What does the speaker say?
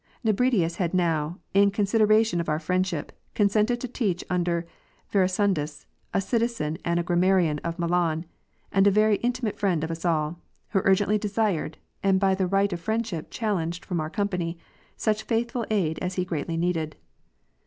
Nebri dius had now, in consideration of our friendship, consented to teach under Verecundus, a citizen and a grammarian of Milan, and a very intimate friend of us all ; who urgently desired, and by the right of friendship challenged from our company, such faithful aid as he greatly needed.